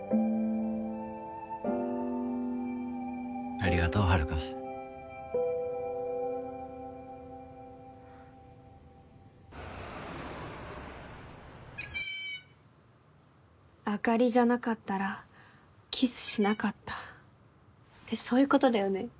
ありがとう遥あかりじゃなかったらキスしなかったってそういうことだよね？